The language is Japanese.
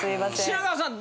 品川さん